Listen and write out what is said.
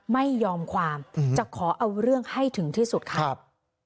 ไม่ยอมความจะขอเอาเรื่องให้ถึงที่สุดครับ